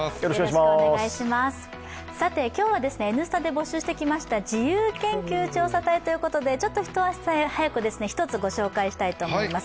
今日は、「Ｎスタ」で募集してきました「自由研究調査隊」ということでちょっと一足早く、１つご紹介したいと思います。